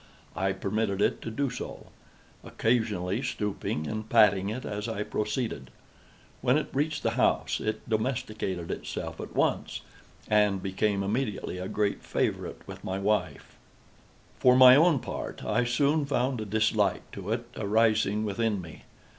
I permitted it to do so; occasionally stooping and patting it as I proceeded. When it reached the house it domesticated itself at once, and became immediately a great favorite with my wife. For my own part, I soon found a dislike to it arising within me.